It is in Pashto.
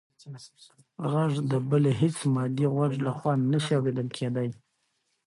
غږ د بل هېڅ مادي غوږ لخوا نه شي اورېدل کېدی.